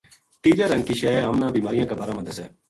تیجا رنگ کی شے ہم نا بیماریاں کا بارہ ما دسے۔